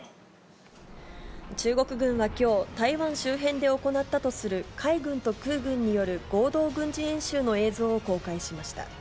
中国軍はきょう、台湾周辺で行ったとする、海軍と空軍による合同軍事演習の映像を公開しました。